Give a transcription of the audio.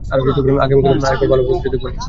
আগামীকাল আরেকবার ভালোভাবে খুঁজে দেখবোনি।